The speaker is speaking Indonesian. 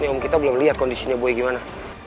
ya om kita belum lihat kondisinya boy gimana